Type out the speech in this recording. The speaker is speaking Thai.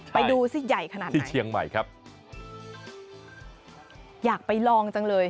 ไปดูสิใหญ่ขนาดไหนที่เชียงใหม่ครับอยากไปลองจังเลย